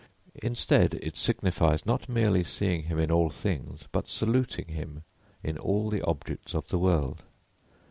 Instead, it signifies not merely seeing him in all things, but saluting him in all the objects of the world.